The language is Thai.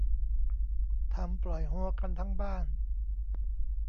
ทำปล่อยโฮกันทั้งบ้าน